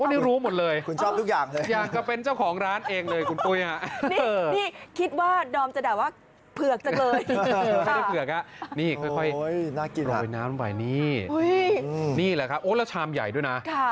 วันนี้รู้หมดเลยอยากก็เป็นเจ้าของร้านเองเลยคุณปุ๊ยค่ะโอ้ยน่ากินอ่ะนี่นี่แหละครับโอ๊ยแล้วชามใหญ่ด้วยนะ